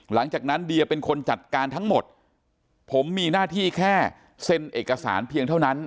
หลังจากนั้นเดียเป็นคนจัดการทั้งหมดผมมีหน้าที่แค่เซ็นเอกสารเพียงเท่านั้น